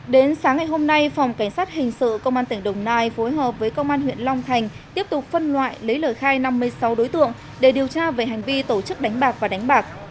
đến sáng ngày hôm nay phòng cảnh sát hình sự công an tỉnh đồng nai phối hợp với công an huyện long thành tiếp tục phân loại lấy lời khai năm mươi sáu đối tượng để điều tra về hành vi tổ chức đánh bạc và đánh bạc